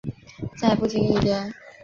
在不经意间